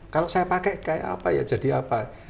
kalau saya pakai kayak apa ya jadi apa